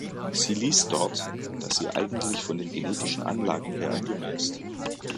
Sie liest dort, dass sie eigentlich von den genetischen Anlagen her ein Junge ist.